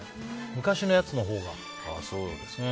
昔のやつのほうが。